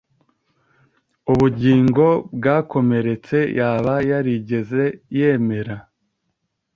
Ubugingo bwakomeretse yaba yarigeze yemera